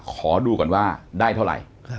ขอดูก่อนว่าได้เท่าไหร่